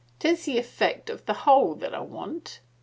" Tis the effect of the whole that I want."